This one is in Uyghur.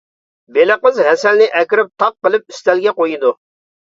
بېلىقىز ھەسەلنى ئەكىرىپ تاق قىلىپ ئۈستەلگە قويىدۇ.